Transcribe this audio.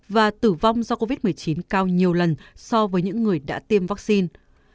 và tử vong do covid một mươi chín cao nhiều lần so với những người đã tiêm vaccine